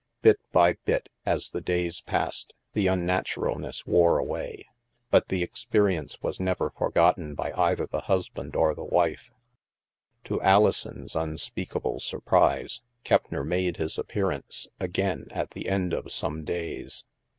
Bit by bit, as the days passed, the unnaturalness wore away. But the ex perience was never forgotten by either the husband or the wife. To Alison's unspeakable surprise, Keppner made his appearance again at the end of some days.